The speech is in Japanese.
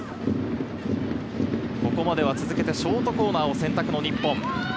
ここまでは続けてショートコーナーを選択している日本。